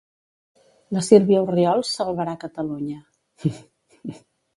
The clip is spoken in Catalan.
La Sílvia Orriols salvarà Catalunya.